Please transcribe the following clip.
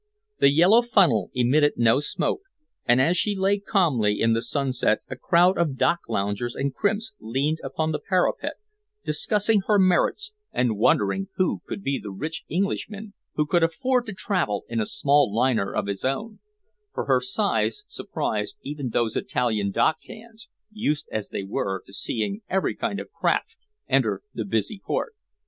The yellow funnel emitted no smoke, and as she lay calmly in the sunset a crowd of dock loungers and crimps leaned upon the parapet discussing her merits and wondering who could be the rich Englishman who could afford to travel in a small liner of his own for her size surprised even those Italian dock hands, used as they were to seeing every kind of craft enter the busy port.